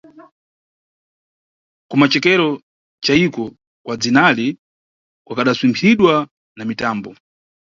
Kumacokero cayiko kwa dzinali kukadaswimphiridwa na mitambo.